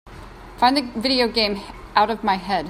Find the video game Out of My Head